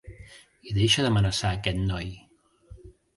I deixa d'amenaçar a aquest noi.